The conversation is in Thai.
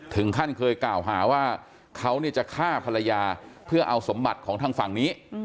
เคยกล่าวหาว่าเขาจะฆ่าภรรยาเพื่อเอาสมบัติของทางฝั่งนี้